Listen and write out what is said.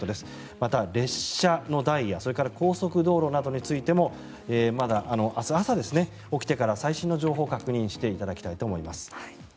また、列車のダイヤそれから高速道路などについてもまだ明日朝、起きてから最新の情報を確認していただきたいと思います。